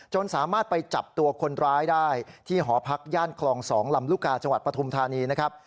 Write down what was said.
สามารถไปจับตัวคนร้ายได้ที่หอพักย่านคลอง๒ลำลูกกาจังหวัดปฐุมธานีนะครับ